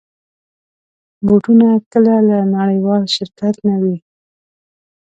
بوټونه کله له نړېوال شرکت نه وي.